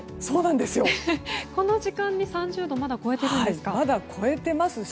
この時間に３０度をまだ超えているんですか。